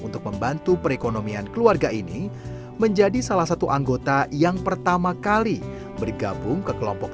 untuk membantu perekonomian keluarga ini menjadi salah satu anggota yang pertama kali bergabung ke kelompok